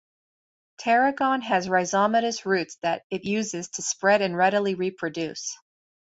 Tarragon has rhizomatous roots that it uses to spread and readily reproduce.